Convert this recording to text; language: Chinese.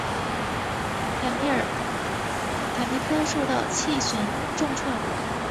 坦皮科受到气旋重创。